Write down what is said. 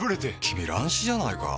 君乱視じゃないか？